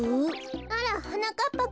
あらはなかっぱくん。